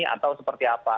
atau seperti apa